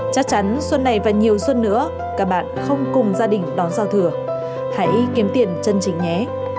chắc chắn xuân này và nhiều xuân nữa các bạn không cùng gia đình đón giao thừa hãy kiếm tiền chân chính nhé